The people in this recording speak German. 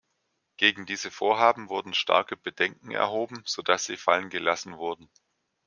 Gegen diese Vorhaben wurden starke Bedenken erhoben, sodass sie fallen gelassen wurden.